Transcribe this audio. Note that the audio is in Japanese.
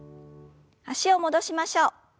脚を戻しましょう。